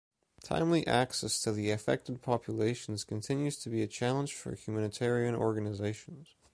Timely access to the affected populations continues to be a challenge for humanitarian organizations.